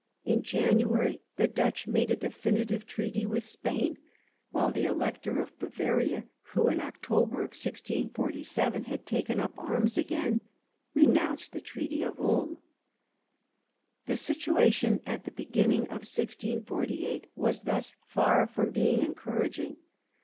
In January the Dutch made a definitive treaty with Spain, while the Elector of Bavaria, who in October 1647 had taken up arms again, renounced the Treaty of Ulm. The situation at the beginning of 1648 was thus far from being encouraging.